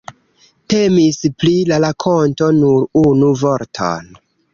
Temis pri la rakonto Nur unu vorton!